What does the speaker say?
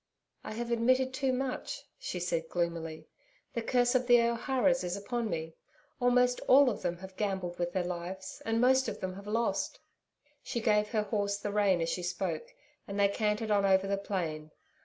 'I have admitted too much,' she said gloomily. 'The curse of the O'Hara's is upon me. Almost all of them have gambled with their lives, and most of them have lost.' She gave her horse the rein as she spoke, and they cantered on over the plain.